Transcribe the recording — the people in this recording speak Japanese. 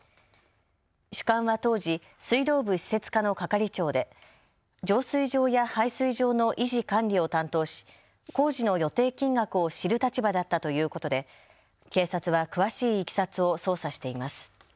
主幹は当時、水道部施設課の係長で浄水場や配水場の維持・管理を担当し工事の予定金額を知る立場だったということで警察は詳しいいきさつを捜査しています。